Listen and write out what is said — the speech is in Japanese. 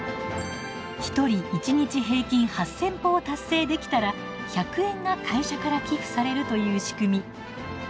１人１日平均８，０００歩を達成できたら１００円が会社から寄付されるという仕組み。